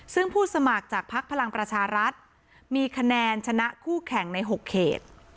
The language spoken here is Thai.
ซึ่งผู้สมัครจากภักดิ์พลังประชารัฐมีคะแนนชนะคู่แข่งใน๖เขต